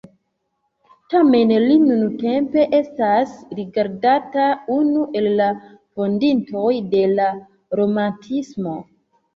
Tamen li nuntempe estas rigardata unu el la fondintoj de la romantismo.